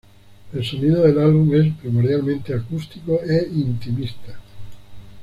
El sonido del álbum es primordialmente acústico e intimista.